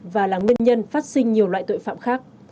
và là nguyên nhân phát sinh nhiều loại tội phạm khác